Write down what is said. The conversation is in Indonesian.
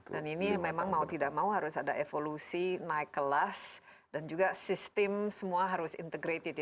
dan ini memang mau tidak mau harus ada evolusi naik kelas dan juga sistem semua harus integrated